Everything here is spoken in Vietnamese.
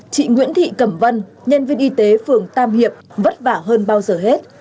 chị nguyễn thị cẩm vân nhân viên y tế phường tam hiệp vất vả hơn bao giờ hết